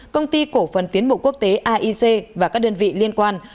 công ty cổ phần tiến bộ quốc tế aic và các đơn vị liên quan